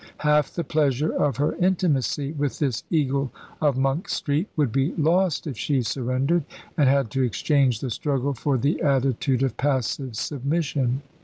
Half the pleasure of her intimacy with this Eagle of Monk Street would be lost if she surrendered, and had to exchange the struggle for the attitude of passive submission.